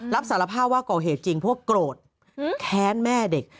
รับสารภาพว่าก่อเหตุจริงเพราะว่าโกรธแค้นแม่เด็ก